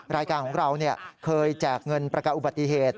รายการของเราเคยแจกเงินประกันอุบัติเหตุ